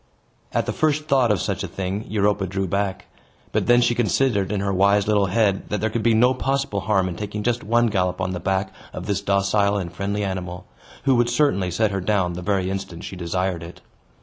At the first thought of such a thing, Europa drew back. But then she considered in her wise little head that there could be no possible harm in taking just one gallop on the back of this docile and friendly animal, who would certainly set her down the very instant she desired it.